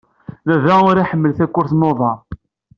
Baba ur iḥemmel takurt n uḍar.